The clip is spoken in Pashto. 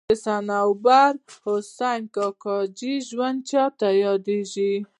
د صنوبر حسین کاکاجي ژوند چاته یادېږي.